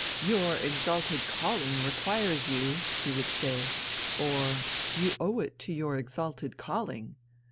"Your exalted calling requires you ..." he would say or: "You owe it to your exalted calling...."